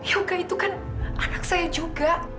yoga itu kan anak saya juga